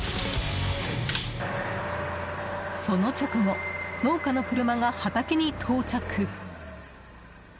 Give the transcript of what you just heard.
その直後、農家の車が畑に到着。